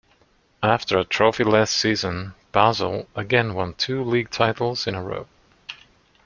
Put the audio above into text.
After a trophy-less season, Basel again won two league titles in-a-row.